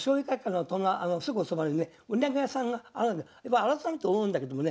改めて思うんだけどもね